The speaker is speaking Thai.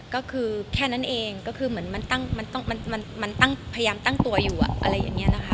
ก็คือแค่นั้นเองก็คือเหมือนมันตั้งมันต้องมันมันมันตั้งพยายามตั้งตัวอยู่อะไรอย่างนี้นะคะ